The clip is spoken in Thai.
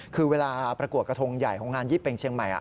คือเวลาประกวดกระทงใหญ่ของงานยี่เป็งเชียงใหม่